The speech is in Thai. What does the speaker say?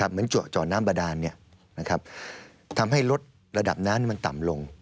เหมือนเจาะน้ำบาดานทำให้ลดระดับน้ำมันต่ำลง